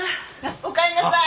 おかえりなさい。